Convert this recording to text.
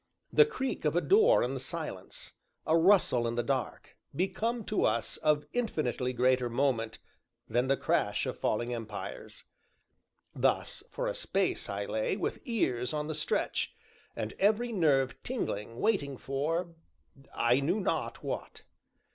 The creak of a door in the silence, a rustle in the dark, become to us of infinitely greater moment than the crash of falling empires. Thus, for a space, I lay, with ears on the stretch, and every nerve tingling, waiting for I knew not what.